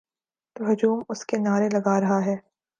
تو ہجوم اس کے نعرے لگا رہا ہے۔